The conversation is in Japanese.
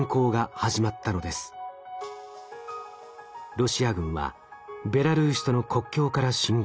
ロシア軍はベラルーシとの国境から進軍。